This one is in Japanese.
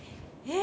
え？